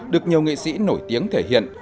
được nhiều nghệ sĩ nổi tiếng thể hiện